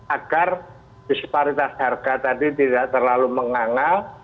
agar disparitas harga tadi tidak terlalu mengangal